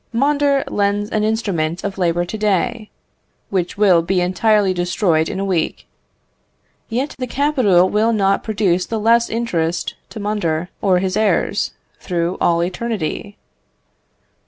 Mondor lends an instrument of labour to day, which will be entirely destroyed in a week, yet the capital will not produce the less interest to Mondor or his heirs, through all eternity.